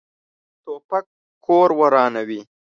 توپک کور ورانوي.